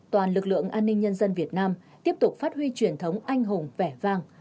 toàn lực lượng an ninh nhân dân việt nam tiếp tục phát huy truyền thống anh hùng vẻ vang